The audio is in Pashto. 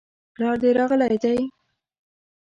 پلار دي راغلی دی؟